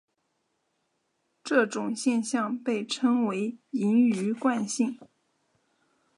这种现象被称为盈余惯性。